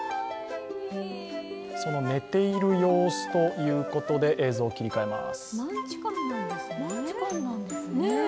その寝ている様子ということで映像を切り替えます。